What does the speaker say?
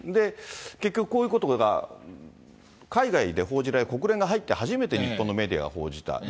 結局、こういうことが海外で報じられて、国連が入って、初めて日本のメディアは報じた。